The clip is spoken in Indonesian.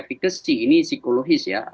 ini psikologis ya